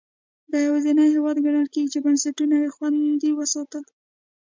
دا یوازینی هېواد ګڼل کېږي چې بنسټونه یې خوندي وساتل.